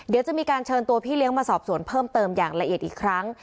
เดี๋ยวจะมีการเชิญตัวพี่เลี้ยงมาสอบสวนเพิ่มเติมอย่างละเอียดอีกครั้ง